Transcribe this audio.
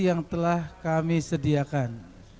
yang telah kami sediakan